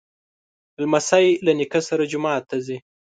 لمسی له نیکه سره جومات ته ځي.